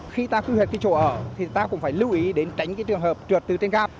khi ta quyết định chỗ ở thì ta cũng phải lưu ý đến tránh trường hợp trượt từ trên cao